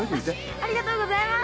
ありがとうございます。